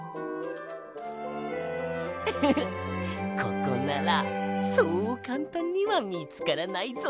ウフフッここならそうかんたんにはみつからないぞ。